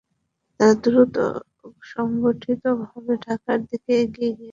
তারা দ্রুত সংগঠিতভাবে ঢাকার দিকে এগিয়ে গিয়ে পাকিস্তান বাহিনীর আত্মসমর্পণ ত্বরান্বিত করে।